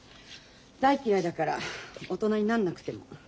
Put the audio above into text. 大嫌いだから大人になんなくても。